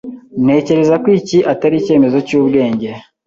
Ntekereza ko iki atari icyemezo cyubwenge.